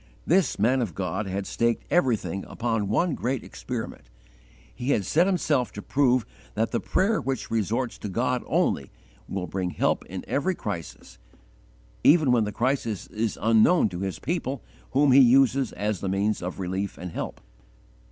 This man of God had staked everything upon one great experiment he had set himself to prove that the prayer which resorts to God only will bring help in every crisis, even when the crisis is unknown to His people whom He uses as the means of relief and help.